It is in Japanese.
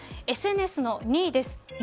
ＳＮＳの２位です。